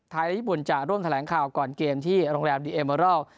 ญี่ปุ่นจะร่วมแถลงข่าวก่อนเกมที่โรงแรมดีเอเมอรอล